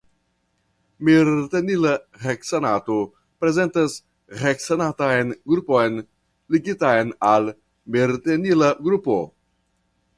Mirtenila heksanato prezentas heksanatan grupon ligitan al mirtenila grupo.